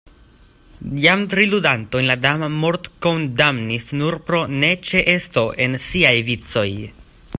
Jam tri ludantojn la Damo mortkondamnis nur pro neĉeesto en siaj vicoj.